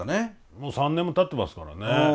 もう３年もたってますからね。